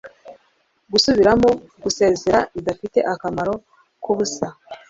Gusubiramo gusezera bidafite akamaro kubusa